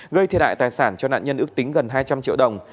gây thi đại tài sản cho nạn nhân ước tính gần hai trăm linh triệu đồng